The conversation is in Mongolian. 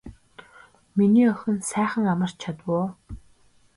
Миний охин сайхан амарч чадав уу.